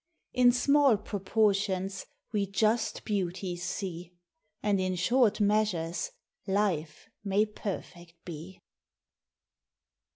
In small proportions we just beauties see, And in short measures life may perfect be.